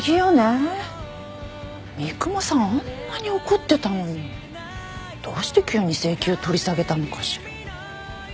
あんなに怒ってたのにどうして急に請求取り下げたのかしら？